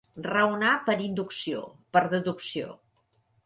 Raonar per inducció, per deducció.